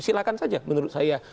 silakan saja menurut saya